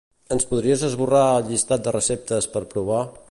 Ens podries esborrar el llistat de receptes per provar?